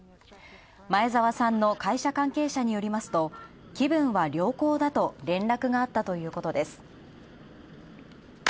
前澤さんの会社関係者によりますと気分は良好だと、連絡があったということです。